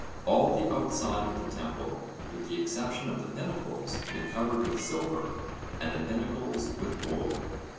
All the outside of the temple, with the exception of the pinnacles, they covered with silver, and the pinnacles with gold.